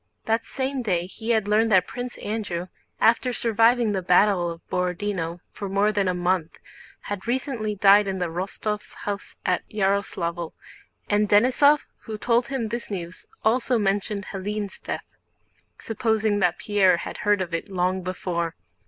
That same day he had learned that Prince Andrew, after surviving the battle of Borodinó for more than a month had recently died in the Rostóvs' house at Yaroslávl, and Denísov who told him this news also mentioned Hélène's death, supposing that Pierre had heard of it long before.